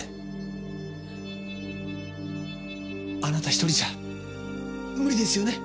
あなた１人じゃ無理ですよね？